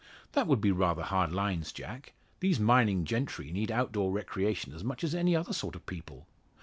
"That would be rather hard lines, Jack. These mining gentry need out door recreation as much as any other sort of people.